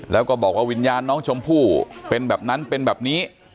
แล้วก็บอกว่าวิญญาณน้องชมพู่เป็นแบบนั้นเป็นแบบนี้